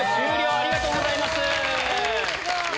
ありがとうございます。